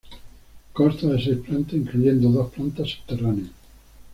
Consta de seis plantas, incluyendo dos plantas subterráneas.